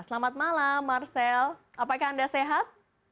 selamat malam marcel apakah anda sehat